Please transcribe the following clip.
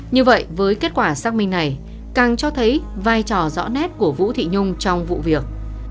như vậy với kết quả xác minh này càng cho thấy vai trò rõ nét của vũ thị nhung trong vụ việc